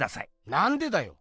なんでだよ？